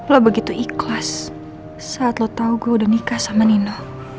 lo begitu ikhlas saat lo tau gue udah nikah sama nino